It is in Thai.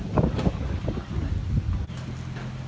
สวัสดีครับคุณผู้ชาย